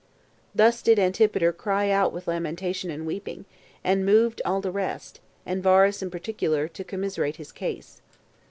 Thus did Antipater cry out with lamentation and weeping, and moved all the rest, and Varus in particular, to commiserate his case.